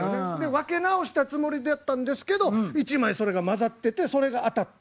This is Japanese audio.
「分け直したつもりだったんですけど１枚それがまざっててそれが当たった。